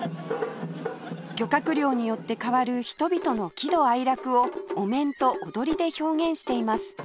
漁獲量によって変わる人々の喜怒哀楽をお面と踊りで表現しています